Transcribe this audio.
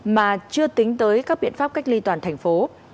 mà chưa tính tới các biện pháp cách ly toàn thành phố